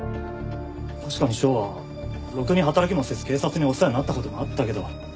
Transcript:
確かに翔はろくに働きもせず警察にお世話になった事もあったけど。